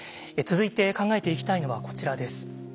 続いて考えていきたいのはこちらです。